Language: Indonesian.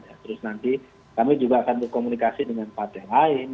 ya terus nanti kami juga akan berkomunikasi dengan partai lain